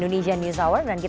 boleh berbicara kembali